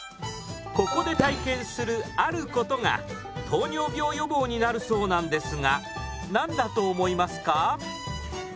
ここで体験するあることが糖尿病予防になるそうなんですが何だと思いますか？